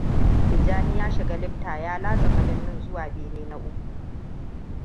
Tijjani ya shiga lifta ya latsa madannin zuwa bene na uku.